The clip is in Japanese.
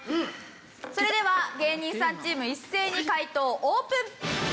それでは芸人さんチーム一斉に解答オープン！